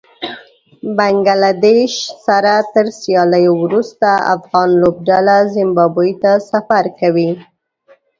بنګله دېش سره تر سياليو وروسته افغان لوبډله زېمبابوې ته سفر کوي